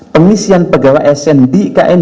pengisian pegawai sn di ikn